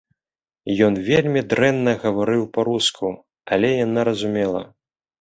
Ён вельмі дрэнна гаварыў па-руску, але яна разумела.